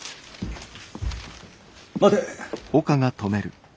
待て！